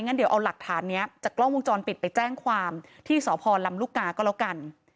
งั้นเดี๋ยวเอาหลักฐานนี้จากกล้องวงจรปิดไปแจ้งความที่สพลำลูกกาก็แล้วกัน